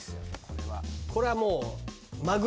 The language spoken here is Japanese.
これはもう。